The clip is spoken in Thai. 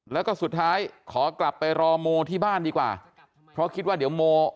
แล้วก็สุดท้ายขอกลับไปรอโมที่บ้านดีกว่าเพราะคิดว่าเดี๋ยวโม